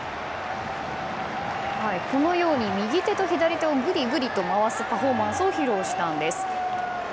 このように右手と左手をぐりぐりと回すパフォーマンスを披露したんです。